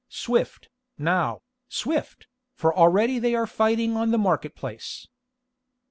Swift, now, swift, for already they are fighting on the market place."